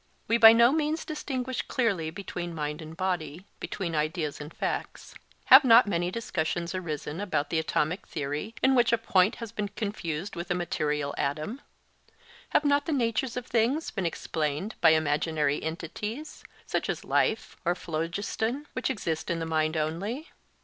We by no means distinguish clearly between mind and body, between ideas and facts. Have not many discussions arisen about the Atomic theory in which a point has been confused with a material atom? Have not the natures of things been explained by imaginary entities, such as life or phlogiston, which exist in the mind only?